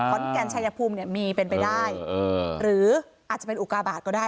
ขอนแก่นชายภูมิเนี่ยมีเป็นไปได้หรืออาจจะเป็นอุกาบาทก็ได้